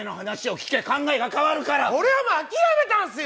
俺はもう諦めたんですよ